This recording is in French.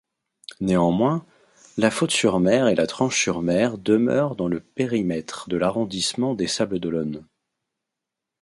Néanmoins, La Faute-sur-Mer et La Tranche-sur-Mer demeurent dans le périmètre de l’arrondissement des Sables-d’Olonne.